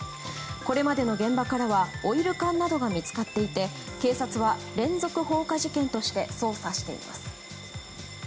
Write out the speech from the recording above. これまでの現場からはオイル缶などが見つかっていて警察は連続放火事件として捜査しています。